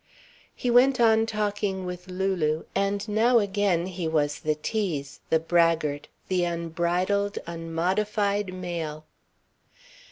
He went on talking with Lulu, and now again he was the tease, the braggart, the unbridled, unmodified male.